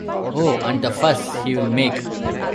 Oh, and the fuss he’ll make!